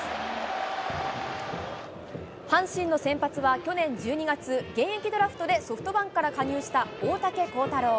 阪神の先発は、去年１２月、現役ドラフトでソフトバンクから加入した大竹耕太郎。